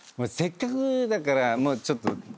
せっかくだからもうちょっと。